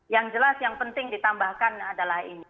yang jelas yang penting ditambahkan adalah ini